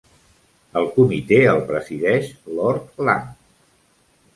El comitè el presideix Lord Lang.